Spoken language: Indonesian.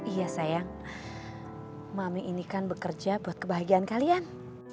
iya sayang mami ini kan bekerja buat kebahagiaan kalian